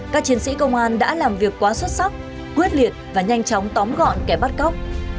các chiến sĩ công an đã làm việc quá xuất sắc quyết liệt và nhanh chóng tóm gọn kẻ bắt cóc